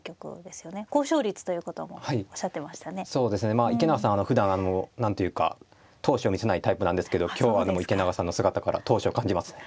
まあ池永さんふだん何というか闘志を見せないタイプなんですけど今日はでも池永さんの姿から闘志を感じますね。